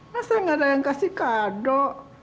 masa gak ada yang kasih kado